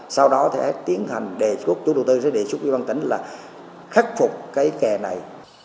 sau đó thì sẽ tiến hành đề xuất chủ đầu tư sẽ đề xuất với ban tỉnh là khắc phục cái kè này